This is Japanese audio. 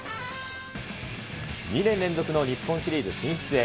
２年連続の日本シリーズ進出へ。